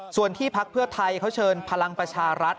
ส่วนที่พักเพื่อไทยเขาเชิญพลังประชารัฐ